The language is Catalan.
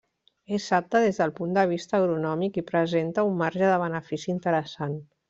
És apte des del punt de vista agronòmic i presenta un marge de benefici interessant.